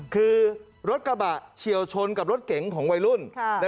คือรถกระบะเฉียวชนกับรถเก๋งของวัยรุ่น